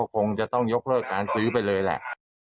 คงจะต้องยกเลิกการซื้อไปเลยแหละ